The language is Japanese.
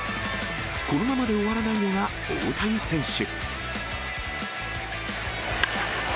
このままで終わらないのが大谷選手。